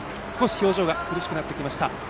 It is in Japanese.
少し表情が苦しくなってきました。